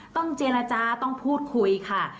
ต้องเจรจาต้องพูดคุยค่ะ